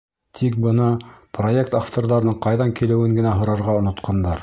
Тик бына проект авторҙарының ҡайҙан килеүен генә һорарға онотҡандар.